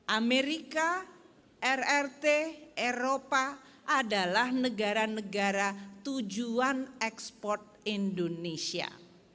amerika rrt eropa adalah negara negara tujuan ekspor indonesia